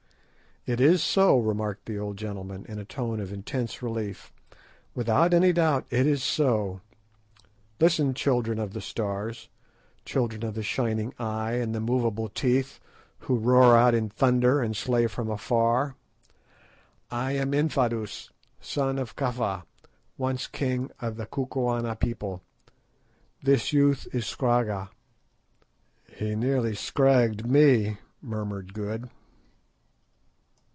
"It is so," remarked the old gentleman, in a tone of intense relief; "without any doubt it is so. Listen, children of the Stars, children of the shining Eye and the movable Teeth, who roar out in thunder, and slay from afar. I am Infadoos, son of Kafa, once king of the Kukuana people. This youth is Scragga." "He nearly scragged me," murmured Good.